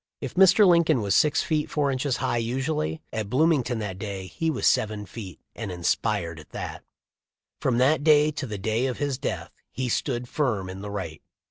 If Mr. Lincoln was six feet, four inches high usually, at Bloomington that day he was seven feet, THE LIFE OF LINCOLX. 385 and inspired at that. From that day to the day of his death he stood firm in the right.